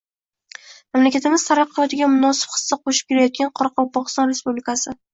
mamlakatimiz taraqqiyotiga munosib hissa qo‘shib kelayotgan Qoraqalpog‘iston Respublikasi